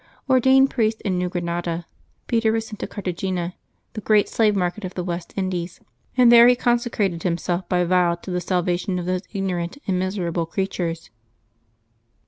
Ordained priest in New Granada, Peter was sent to Cartagena, the great slave mart of the West Indies, and there he consecrated himself by vow to the salvation of those ignorant and miserable creatures.